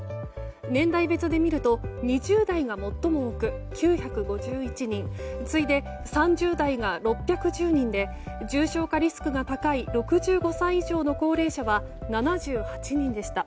年代別で見ると２０代が最も多く９５１人次いで、３０代が６１０人で重症化リスクが高い６５歳以上の高齢者は７８人でした。